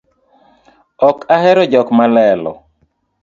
Ok ahero jok malelo